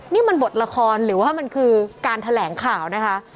นี่มันบทละครหรือว่ามันคือการแถลงข่าวนะคะ